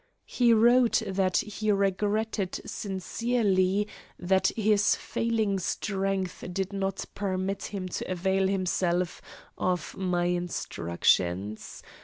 He wrote that he regretted sincerely that his failing strength did not permit him to avail himself of my instructions.